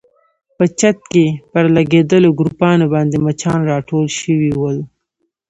په چت کې پر لګېدلو ګروپانو باندې مچان راټول شوي ول.